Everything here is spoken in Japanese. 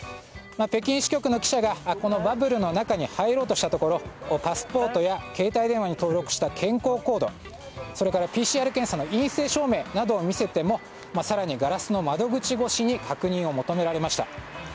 北京支局の記者がこのバブルの中に入ろうとしたところパスポートや携帯電話に登録した健康コードＰＣＲ検査の陰性証明などを見せても更にガラスの窓口越しに確認を求められました。